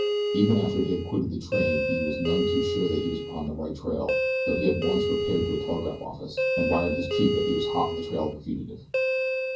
Even after he had quitted the train he was none too sure that he was upon the right trail though he at once repaired to a telegraph office and wired his chief that he was hot on the trail of the fugitive.